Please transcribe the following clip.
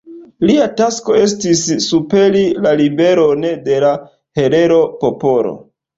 Lia tasko estis superi la ribelon de la herero-popolo.